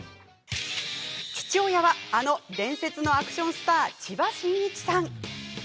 父親はあの伝説のアクションスター千葉真一さん。